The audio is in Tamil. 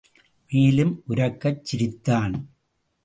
மேலும் உரக்கச் சிரித்தான்.